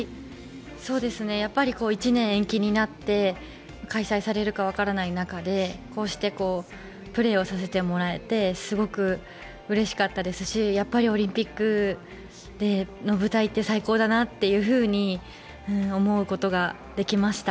１年延期になって開催されるかわからない中でこうしてプレーをさせてもらえてすごくうれしかったですしやっぱりオリンピックの舞台って最高だなというふうに思うことができました。